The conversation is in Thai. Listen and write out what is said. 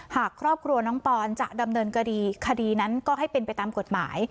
หากครอบครัวน้องปอนจะดำเนินคดีคดีนั้นก็ให้เป็นไปตามกฎหมาย